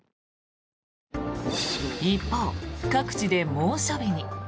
一方、各地で猛暑日に。